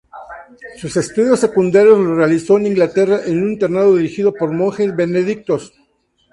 Sus estudios secundarios los realizó en Inglaterra en un internado dirigido por monjes benedictinos.